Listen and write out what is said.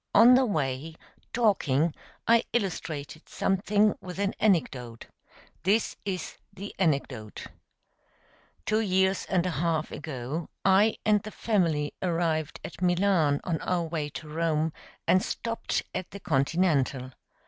On the way, talking, I illustrated something with an anecdote. This is the anecdote: Two years and a half ago I and the family arrived at Milan on our way to Rome, and stopped at the Continental.